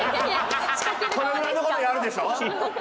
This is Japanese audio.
このぐらいの事やるでしょ？